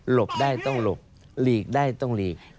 ได้ต้องหลบหลีกได้ต้องหลีก